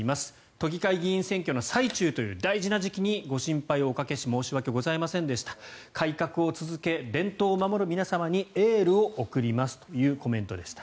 都議会議員選挙の最中という大事な時期にご心配をおかけし申し訳ございませんでした改革を続け伝統を守る皆様にエールを送りますというコメントでした。